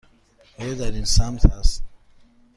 آیا در این سمت است؟